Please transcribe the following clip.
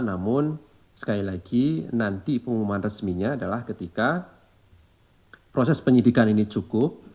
namun sekali lagi nanti pengumuman resminya adalah ketika proses penyidikan ini cukup